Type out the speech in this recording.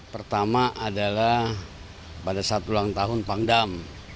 pertama adalah pada saat ulang tahun pangdam